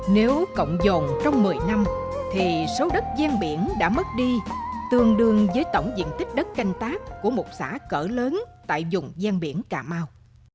nếu cộng dồn trong một mươi năm thì số đất gian biển đã mất đi tương đương với tổng diện tích đất canh tác của một xã cỡ lớn tại dùng gian biển cà mau